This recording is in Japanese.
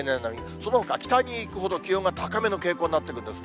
そのほか北に行くほど、気温が高めの傾向になってるんですね。